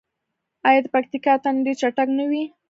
آیا د پکتیا اتن ډیر چټک نه وي؟